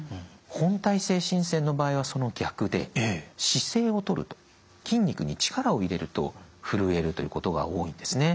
本態性振戦の場合はその逆で姿勢をとると筋肉に力を入れるとふるえるということが多いんですね。